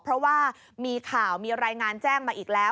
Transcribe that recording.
เพราะว่ามีข่าวมีรายงานแจ้งมาอีกแล้ว